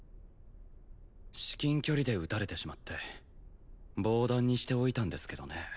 至近距離で撃たれてしまって防弾にしておいたんですけどね